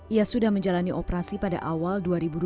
ia sudah menjalani operasi pada awal dua ribu dua puluh